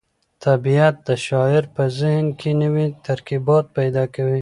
طبیعت د شاعر په ذهن کې نوي ترکیبات پیدا کوي.